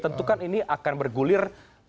tentukan ini akan bergulir